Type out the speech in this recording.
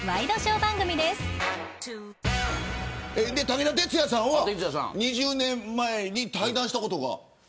武田鉄矢さんは２０年前に対談したことが。